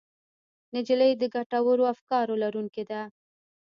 نجلۍ د ګټورو افکارو لرونکې ده.